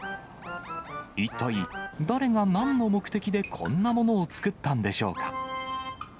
一体、誰がなんの目的でこんなものを作ったんでしょうか。